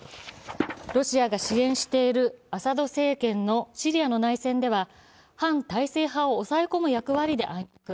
ロシアが支援しているアサド政権のシリアの内戦では反体制派を抑え込む役割で暗躍。